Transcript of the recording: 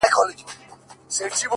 وای دی کم عمر کي پوه په راز و نياز دی’